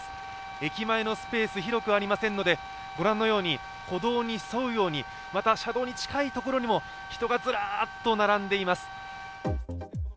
駅前のスペース、広くありませんので、御覧のように歩道に沿うようにまた車道に近いところにも人がずらーっと並んでいます。